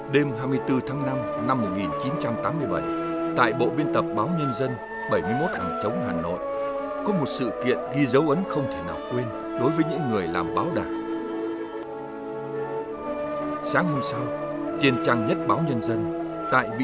đêm hai mươi bốn tháng năm năm một nghìn chín trăm tám mươi bảy tại bộ biên tập báo nhân dân bảy mươi một hàng chống hà nội có một sự kiện ghi dấu ấn không thể nào quên đối với những người làm báo đảng